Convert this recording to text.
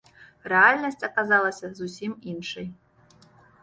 Рэальнасць аказалася зусім іншай.